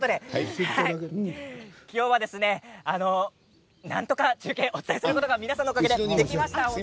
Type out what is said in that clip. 今日はなんとか中継をお伝えすることができました皆さんのおかげです